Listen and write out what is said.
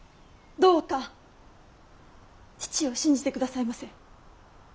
どうか父を信じてくださいませ。